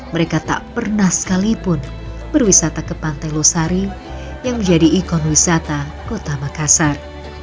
mereka tak pernah sekalipun berwisata ke pantai losari yang menjadi ikon wisata kota makassar